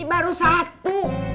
ini baru satu